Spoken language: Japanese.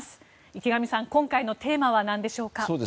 池上さん、今回のテーマは何でしょうか？